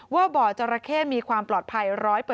ว่าบ่อจราเข้มีความปลอดภัย๑๐๐